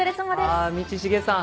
あ道重さん。